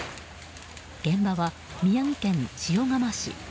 現場は宮城県塩竈市。